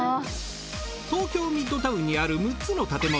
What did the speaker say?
東京ミッドタウンにある６つの建物。